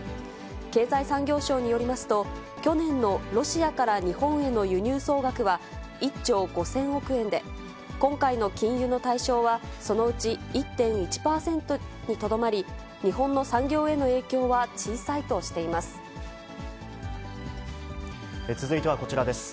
経済産業省によりますと、去年のロシアから日本への輸入総額は１兆５０００億円で、今回の禁輸の対象は、そのうち１．１％にとどまり、日本の産業へ続いてはこちらです。